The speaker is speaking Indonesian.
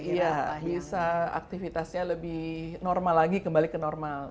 iya bisa aktivitasnya lebih normal lagi kembali ke normal